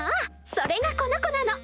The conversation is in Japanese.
それがこの子なの。